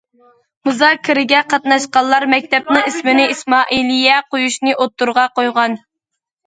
مۇزاكىرىگە قاتناشقانلار مەكتەپنىڭ ئىسمىنى« ئىسمائىلىيە» قۇيۇشنى ئوتتۇرىغا قويغان.